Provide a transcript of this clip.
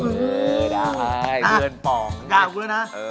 กล้าของกูแล้วนะ